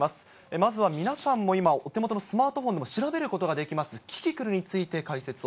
まずは皆さんも今、お手元のスマートフォンでも調べることができます、キキクルにつ